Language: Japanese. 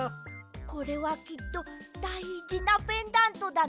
これはきっとだいじなペンダントだね。